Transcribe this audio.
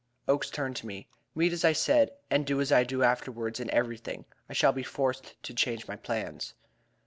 Oakes turned to me: "Meet me as I said; and do as I do afterwards in everything. I shall be forced to change my plans."